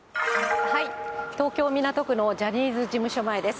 東京・港区のジャニーズ事務所前です。